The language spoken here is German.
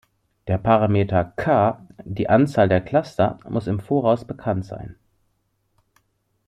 Der Parameter "k", die Anzahl der Cluster, muss im Voraus bekannt sein.